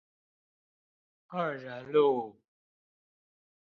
二仁路